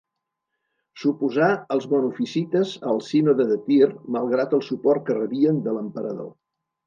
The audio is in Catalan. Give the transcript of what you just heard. S'oposà als monofisites al Sínode de Tir, malgrat el suport que rebien de l'emperador.